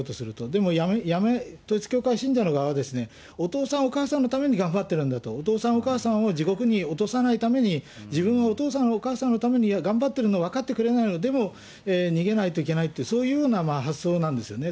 でも、統一教会信者の側はお父さん、お母さんのために頑張ってるんだと、お父さん、お母さんを地獄に落とさないために、自分はお父さん、お母さんのために頑張ってるの分かってくれないの、でも逃げないといけないって、そういうような発想なんですよね。